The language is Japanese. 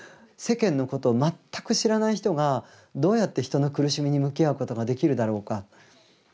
世間のことを全く知らない人がどうやって人の苦しみに向き合うことができるだろうか。